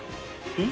うん？